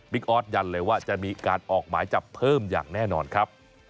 ออสยันเลยว่าจะมีการออกหมายจับเพิ่มอย่างแน่นอนครับ